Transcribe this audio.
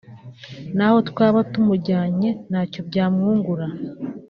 naho twaba tumujyanye ntacyo byamwungura